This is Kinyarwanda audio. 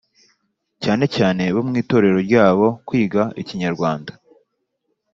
cyanecyane bo mu itorero ryabo kwiga Ikinyarwanda.